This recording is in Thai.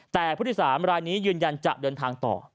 แต่ผู้โดยสารรายนี้ยืนยันจะเดินทางต่อ